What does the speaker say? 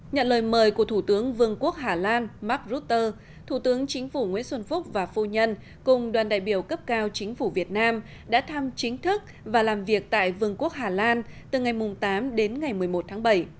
nhận lời mời của thủ tướng vương quốc hà lan mark rutte thủ tướng chính phủ nguyễn xuân phúc và phu nhân cùng đoàn đại biểu cấp cao chính phủ việt nam đã thăm chính thức và làm việc tại vương quốc hà lan từ ngày tám đến ngày một mươi một tháng bảy